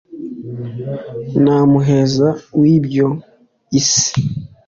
Nta muheza w’ibyo isi. [w’iby’isi.]